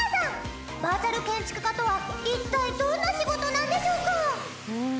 バーチャル建築家とは一体どんな仕事なんでしょうか？